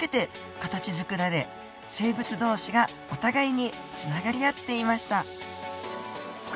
生物同士がお互いにつながり合っていました。